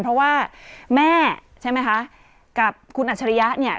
เพราะว่าแม่กับคุณอัชริยะ